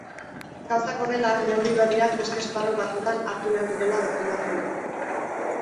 Gauzak horrela, neurri berriak beste esparru batzutan hartu behar direla defendatu du.